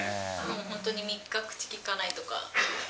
本当に３日、口きかないとか。